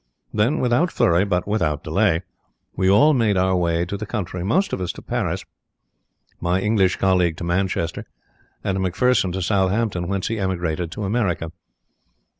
Then, without flurry, but without delay, we all made our way out of the country, most of us to Paris, my English colleague to Manchester, and McPherson to Southampton, whence he emigrated to America.